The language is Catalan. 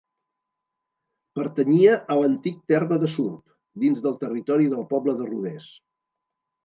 Pertanyia a l'antic terme de Surp, dins del territori del poble de Rodés.